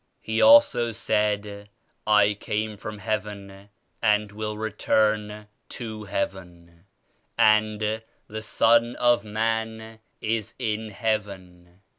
He also said *I came from Heaven and will return to Heaven,' and The Son of Man is in Heaven.'